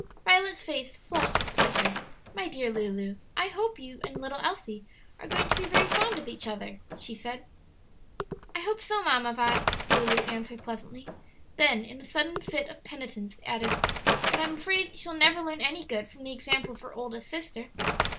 Violet's face flushed with pleasure. "My dear Lulu, I hope you and little Else are going to be very fond of each other," she said. "I hope so, Mamma Vi," Lulu answered, pleasantly; then, in a sudden fit of penitence, added, "but I'm afraid she'll never learn any good from the example of her oldest sister."